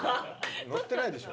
のってないでしょ。